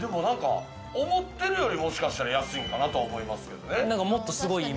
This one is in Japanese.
思ってるより、もしかしたら安いのかなと思いますけどね。